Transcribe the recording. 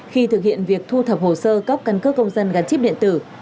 khi thực hiện việc thu thập hồ sơ cấp căn cước công dân gắn chip điện tử